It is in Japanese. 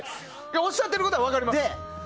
おっしゃってることは分かります。